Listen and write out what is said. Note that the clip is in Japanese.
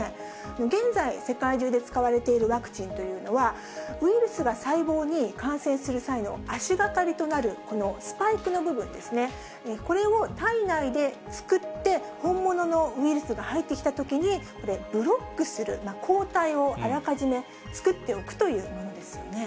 現在、世界中で使われているワクチンというのは、ウイルスが細胞に感染する際の足がかりとなる、このスパイクの部分ですね、これを体内で作って、本物のウイルスが入ってきたときに、ブロックする抗体を、あらかじめ作っておくというものですよね。